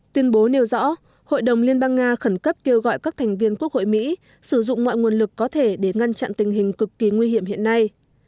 tuyên bố nêu rõ hội đồng liên bang nga khẩn cấp kêu gọi các thành viên quốc hội mỹ sử dụng mọi nguồn lực có thể để ngăn chặn tình hình cực kỳ nguy hiểm hiện nay